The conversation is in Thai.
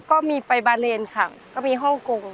ก็มีไปบาเลนค่ะก็มีฮ่องกง